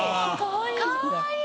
かわいい！